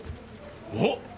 おっ！